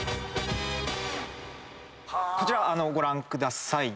こちらご覧ください。